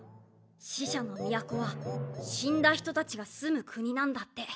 死者の都は死んだ人たちが住む国なんだって。